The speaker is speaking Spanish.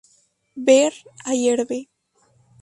Ver: Ayerbe